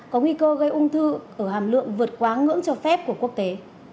có nguy cơ gây ung thư ở hàm lượng vượt quá ngưỡng cho phép của quốc tế